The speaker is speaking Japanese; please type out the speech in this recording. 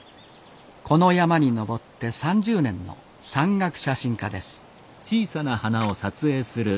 この山に登って３０年の山岳写真家です。